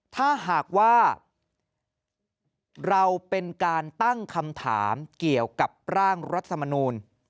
ถ้าหากว่าเราเป็นการตั้งคำถามเกี่ยวกับร่างรัฐมนูล